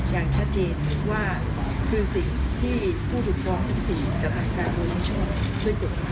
อย่างชัดเจนหรือว่าคือสิ่งที่ผู้ถูกฟ้องที่สีกับอังกฤษช่วยปรับมา